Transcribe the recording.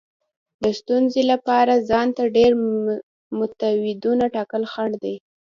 د ستونزې لپاره ځان ته ډیر میتودونه ټاکل خنډ دی.